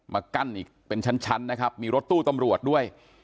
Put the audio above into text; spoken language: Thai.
กั้นอีกเป็นชั้นนะครับมีรถตู้ตำรวจด้วย